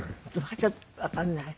ちょっとわかんない。